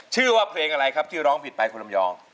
ชื่อว่าเพลงอะไรครับที่ร้องผิดไปคุณลำยอง